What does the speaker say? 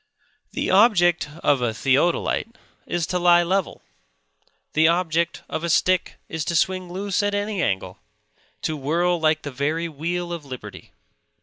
The object of a theodolite is to lie level; the object of a stick is to swing loose at any angle; to whirl like the very wheel of liberty.